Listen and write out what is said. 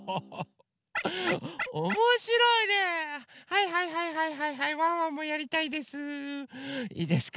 はいはいはいはいはいはいワンワンもやりたいです。